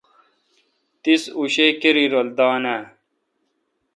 تیس اوں شی کیرای رل دان آں